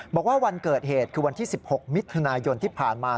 บอกว่าวันเกิดเหตุคือวันที่๑๖มิถุนายนที่ผ่านมา